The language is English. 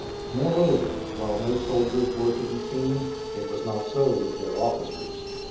Moreover, while no soldiers were to be seen, it was not so with their officers.